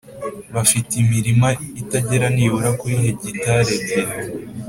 bafite imirima itagera nibura kuri hegitari ebyiri